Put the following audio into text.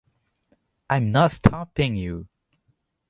I'm not stopping you!